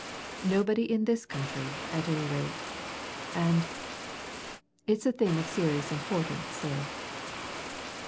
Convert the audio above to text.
Nobody in this country, at any rate. And it's a thing of serious importance, sir."